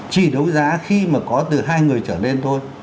chỉ đấu giá khi mà có từ hai người trở lên thôi